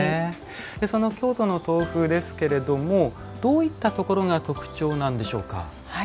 その京都の豆腐ですけれどもどういったところが特徴なんでしょうか？